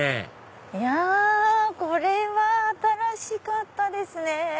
いやこれは新しかったですね！